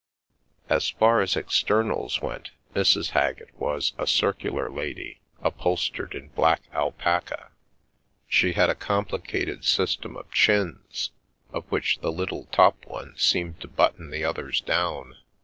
As far as externals went, Mrs. Haggett was a circular lady, upholstered in black alpaca. She had a complicated system of chins, of which the little top one seemed to button the others down.